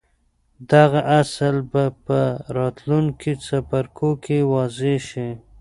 دغه اصل به په راتلونکو څپرکو کې واضح شي.